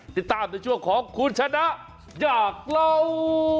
ติดตามในช่วงของคุณชนะอยากเล่า